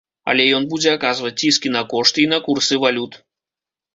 Але ён будзе аказваць ціск і на кошты і на курсы валют.